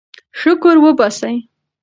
شکر وباسئ.